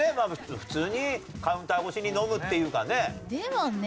普通にカウンター越しに飲むっていうかね。